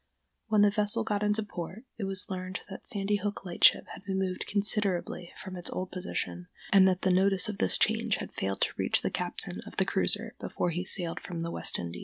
When the vessel got into port it was learned that Sandy Hook Lightship had been moved considerably from its old position, and that the notice of this change had failed to reach the captain of the cruiser before he sailed from the West Indies.